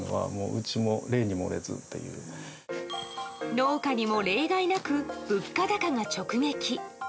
農家にも例外なく物価高が直撃。